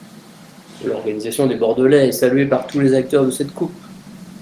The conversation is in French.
L'organisation des Bordelais est saluée par tous les acteurs de cette Coupe.